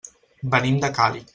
Venim de Càlig.